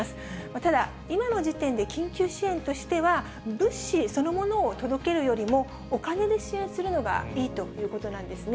ただ、今の時点で緊急支援としては、物資そのものを届けるよりも、お金で支援するのがいいということなんですね。